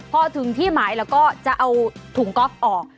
พอถึงที่หมายแล้วก็จะเอาถุงก๊อฟออก